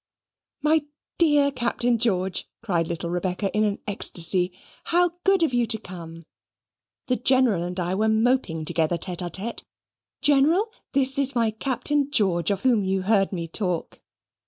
"My dear Captain George!" cried little Rebecca in an ecstasy. "How good of you to come. The General and I were moping together tete a tete. General, this is my Captain George of whom you heard me talk."